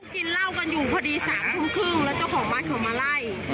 กินเหล้ากันอยู่พอดี๓ทุ่มครึ่งแล้วเจ้าของบ้านเขามาไล่